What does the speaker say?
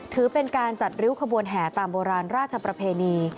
ถือเป็นการจัดริ้วขบวนแห่ตามโบราณราชประเพณี